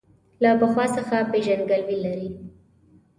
له پخوا څخه پېژندګلوي لري.